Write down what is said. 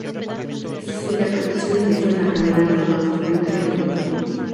Sus interpretaciones la hicieron acreedora de numerosos premios y reconocimientos.